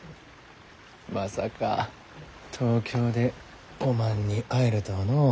まさか東京でおまんに会えるとはのう。